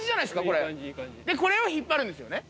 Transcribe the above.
これでこれを引っ張るんですよね